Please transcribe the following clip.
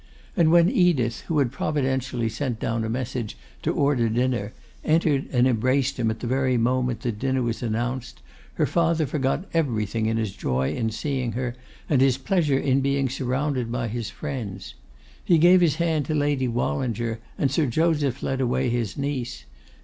And when Edith, who had providentially sent down a message to order dinner, entered and embraced him at the very moment that dinner was announced, her father forgot everything in his joy in seeing her, and his pleasure in being surrounded by his friends. He gave his hand to Lady Wallinger, and Sir Joseph led away his niece.